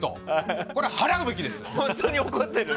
これ、払うべきです！